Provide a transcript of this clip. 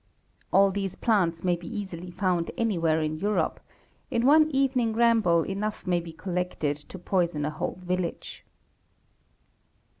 All these plants may be easily found anywhere in Europe; in one evening ramble enough may be collected to poison a whole village.